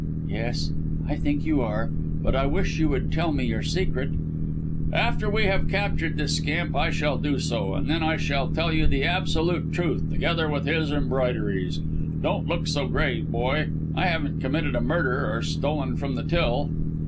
"Yes, I think you are. But I wish you would tell me your secret." "After we have captured this scamp I shall do so, and then I shall tell you the absolute truth together with his embroideries. Don't look so grave, boy. I haven't committed a murder or stolen from the till."